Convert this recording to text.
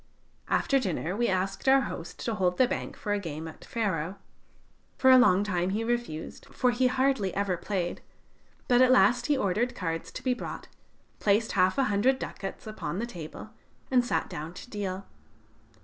After dinner we asked our host to hold the bank for a game at faro. For a long time he refused, for he hardly ever played, but at last he ordered cards to be brought, placed half a hundred ducats upon the table, and sat down to deal.